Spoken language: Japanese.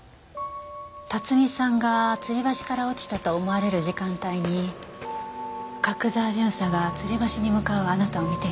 辰巳さんがつり橋から落ちたと思われる時間帯に角沢巡査がつり橋に向かうあなたを見ていたわ。